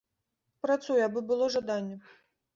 Працуй, абы было жаданне!